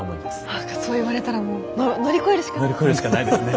何かそう言われたらもう乗り越えるしかないですね。